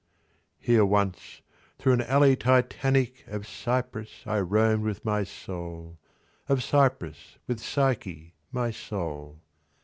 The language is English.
Here once, through an alley Titanic, Of cypress, I roamed with my Soul— Of cypress, with Psyche, my Soul.